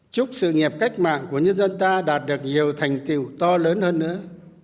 chúc sự nghiệp cách mạng của nhân dân ta đạt được nhiều thành tiệu to lớn hơn nữa